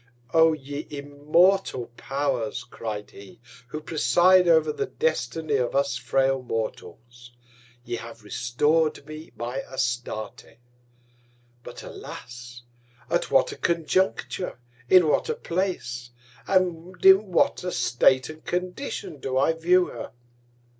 O ye immortal Powers, cried he, who preside over the Destiny of us frail Mortals! Ye have restor'd me my Astarte; but alas! at what a Conjuncture, in what a Place, and in what a State and Condition do I view her?